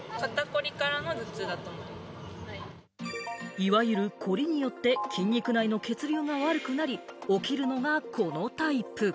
いわゆるコリによって筋肉内の血流が悪くなり、起きるのがこのタイプ。